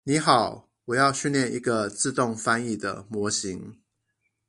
你好，我要訓練一個自動翻譯的模型